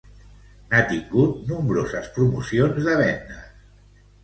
N'ha tingut nombroses promocions de vendes.